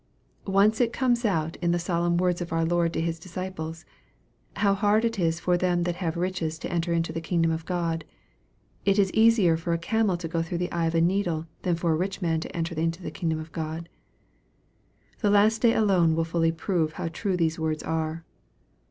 Once it comes out in the solemn words of our Lord to His disciples, " How hard is it for them that have riches to enter into the kingdom of God." " It is easier for a camel to go through the eye of a needle than for a rich man to enter into the kingdom of God." The last day alone will fully prove how true those words are.